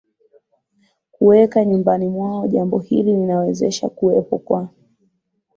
kuweka nyumbani mwao Jambo hili linawezesha kuwepo kwa